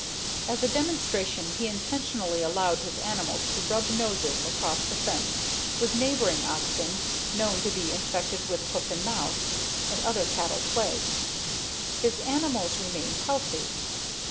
As a demonstration he intentionally allowed his animals to rub noses across the fence with neighboring oxen known to be infected with hoof and mouth and other cattle plagues. His animals remained healthy.